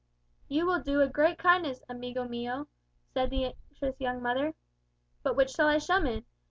"You will do a great kindness, amigo mio," said the anxious young mother. "But which shall I summon?"